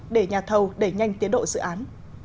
để nhà thầu đẩy nhanh tiến độ dự án